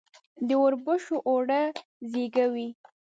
د اوربشو اوړه زیږه وي.